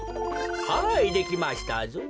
はいできましたぞ。